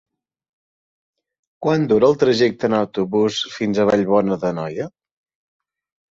Quant dura el trajecte en autobús fins a Vallbona d'Anoia?